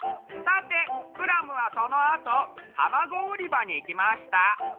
さてクラムはそのあとたまごうりばにいきました。